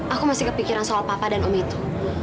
aku masih kepikiran soal papa dan om itu